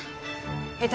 え？